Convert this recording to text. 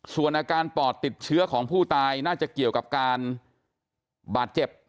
ส่วนอาการปอดติดเชื้อของผู้ตายน่าจะเกี่ยวกับการบาดเจ็บ